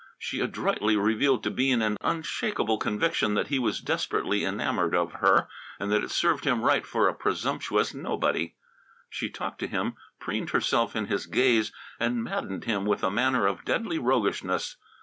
She adroitly revealed to Bean an unshakable conviction that he was desperately enamoured of her, and that it served him right for a presumptuous nobody. She talked to him, preened herself in his gaze, and maddened him with a manner of deadly roguishness.